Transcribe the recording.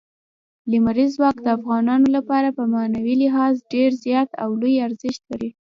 لمریز ځواک د افغانانو لپاره په معنوي لحاظ ډېر زیات او لوی ارزښت لري.